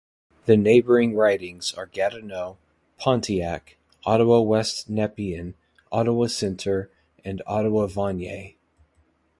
The neighbouring ridings are Gatineau, Pontiac, Ottawa West-Nepean, Ottawa Centre, and Ottawa-Vanier.